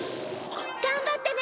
頑張ってね